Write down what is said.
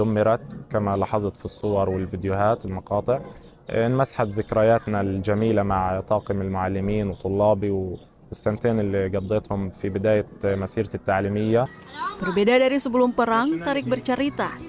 berbeda dari sebelum perang tarik bercerita